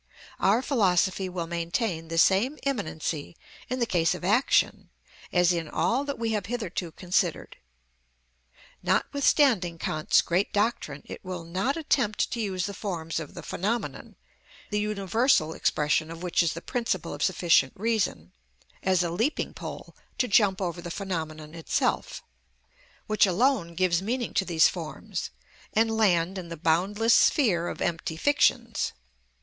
Our philosophy will maintain the same immanency in the case of action, as in all that we have hitherto considered. Notwithstanding Kant's great doctrine, it will not attempt to use the forms of the phenomenon, the universal expression of which is the principle of sufficient reason, as a leaping pole to jump over the phenomenon itself, which alone gives meaning to these forms, and land in the boundless sphere of empty fictions.